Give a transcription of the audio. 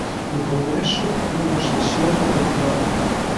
No Congreso houbo sesión de control.